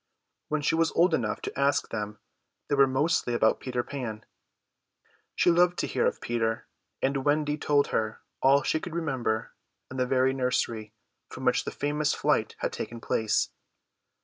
When she was old enough to ask them they were mostly about Peter Pan. She loved to hear of Peter, and Wendy told her all she could remember in the very nursery from which the famous flight had taken place.